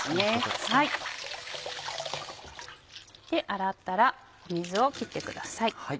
洗ったら水を切ってください。